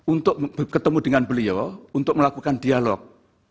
untuk ketemu dengan beliau untuk melakukan dialog